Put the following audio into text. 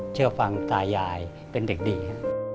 เชื่อฟังตายายเป็นเด็กดี